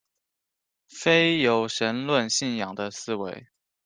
非有神论信仰的思维。